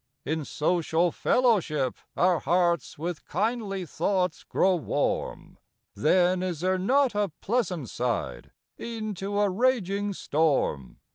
In social fellowship, our hearts With kindly thoughts grow warm; Then is there not a pleasant side, E'en to a raging storm?